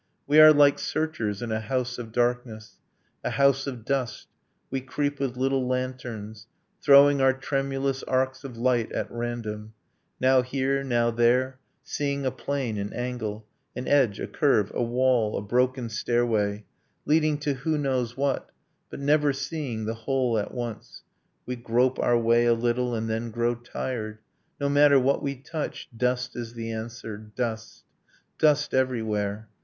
We are like searchers in a house of darkness, A house of dust; we creep with little lanterns, Throwing our tremulous arcs of light at random, Now here, now there, seeing a plane, an angle, An edge, a curve, a wall, a broken stairway Leading to who knows what; but never seeing The whole at once ... We grope our way a little, And then grow tired. No matter what we touch, Dust is the answer dust: dust everywhere.